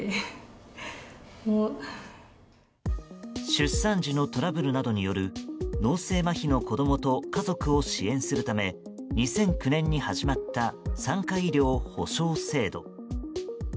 出産時のトラブルなどによる脳性まひの子供と家族を支援するため２００９年に始まった産科医療補償制度。